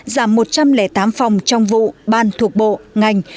giảm một trăm linh tám phòng trong vụ ban thuộc bộ ngành